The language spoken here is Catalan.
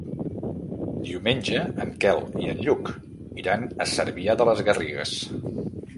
Diumenge en Quel i en Lluc iran a Cervià de les Garrigues.